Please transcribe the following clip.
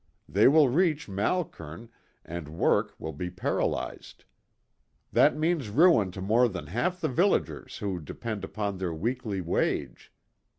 They will reach Malkern, and work will be paralyzed. That means ruin to more than half the villagers who depend upon their weekly wage.